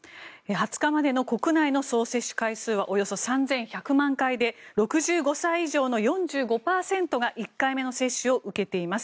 ２０日までの国内の総接種回数はおよそ３１００万回で６５歳以上の４５％が１回目の接種を受けています。